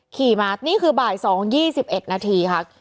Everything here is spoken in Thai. ขี่มานี่คือบ่าย๒๒๑นาทีค่ะ